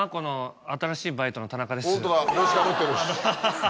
ホントだ帽子かぶってるし。